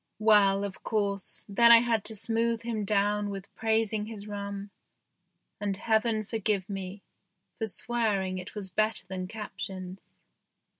Well, of course, then I had to smooth him down with praising his rum, and Heaven for give me for swearing it was better than Captain's.